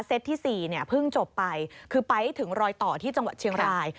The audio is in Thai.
เซ็ทที่๔พึ่งจบไปคือไปถึงรอยต่อที่จังหวัดเชียงราย